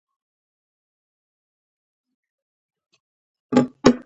یو مهم زیارت دی.